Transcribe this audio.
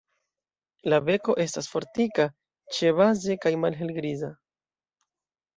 La beko estas fortika ĉebaze kaj malhelgriza.